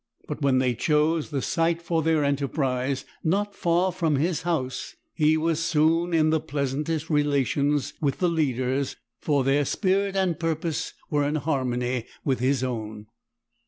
But when they chose the site for their enterprise not far from his house, he was soon in the pleasantest relations with the leaders, for their spirit and purpose were in harmony with his own.